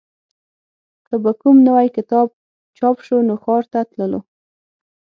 که به کوم نوی کتاب چاپ شو نو ښار ته تللو